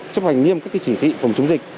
chấp hành nghiêm các chỉ thị phòng chống dịch